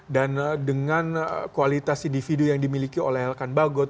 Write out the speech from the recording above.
dan dengan kualitas individu yang dimiliki oleh elkan bagot